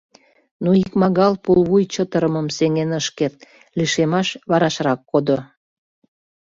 Но икмагал пулвуй чытырымым сеҥен ыш керт, лишемаш варашрак кодо.